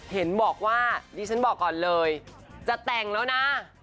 เห็นบอกว่าดิฉันบอกก่อนเลยจะแต่งแล้วนะ